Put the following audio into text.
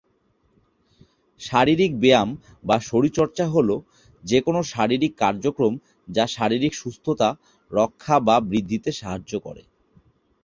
শারীরিক ব্যায়াম বা শরীরচর্চা হল যেকোন শারীরিক কার্যক্রম যা শারীরিক সুস্থতা রক্ষা বা বৃদ্ধিতে সাহায্য করে।